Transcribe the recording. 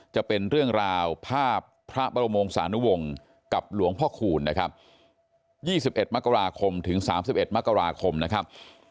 จะเป็นเรื่องราวภาพพระบรมงส์สานุวงศ์กับหลวงพระคูณนะครับ๒๑๓๑มกราคมนะครับ